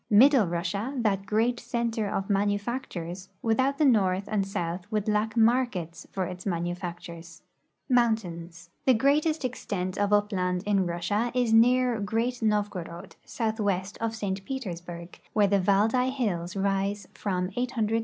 Middle Russia, that great center of manufactures, without the north and south would lack markets for its manufactures. MOUNTAINS. The greatest extent of upland in Russia is near Great Nov gorod, southwest of St. Petersburg, where the Valdai hills rise from 800 to 1,000 feet.